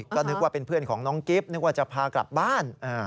ก็นึกว่าเป็นเพื่อนของน้องกิ๊บนึกว่าจะพากลับบ้าน